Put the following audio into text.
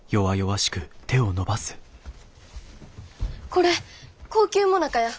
これ高級もなかや。